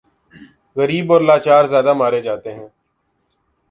غریب اور لاچار زیادہ مارے جاتے ہیں۔